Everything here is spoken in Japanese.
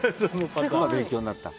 勉強になった。